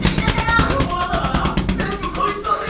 俺がこうなったのはな全部こいつのせい。